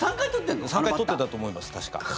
３回取ってたと思います。